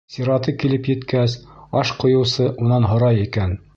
Сираты килеп еткәс, аш ҡойоусы унан һорай икән: